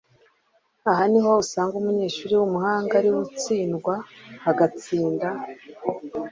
Aha niho usanga umunyeshuri w'umuhanga ari we utsindwa hagatsinda